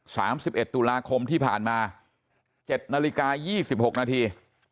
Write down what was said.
สามสิบเอ็ดตุลาคมที่ผ่านมาเจ็ดนาฬิกายี่สิบหกนาที